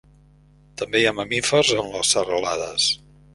També hi ha mamífers en les serralades.